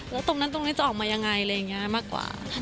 แล้วตรงนั้นตรงนี้จะออกมายังไงอะไรอย่างนี้มากกว่า